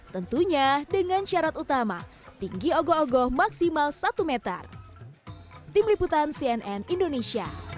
tentunya dengan syarat utama tinggi ogo ogoh maksimal satu meter